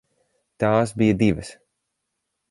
Tās bija divas.